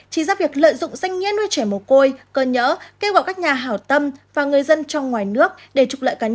chỉ ra việc lợi dụng danh nghĩa nuôi trẻ mồ côi cơ nhỡ kêu gọi các nhà hảo tâm và người dân trong ngoài nước để trục lợi cá nhân